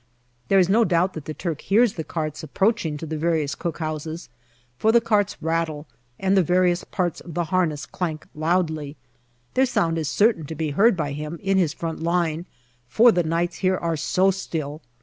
There is no doubt that the Turk hears the carts approaching to the various cookhouses, for the carts rattle and the various parts of the harness clank loudly. Their sound is certain to be heard by him in his front line, for the nights here are so still.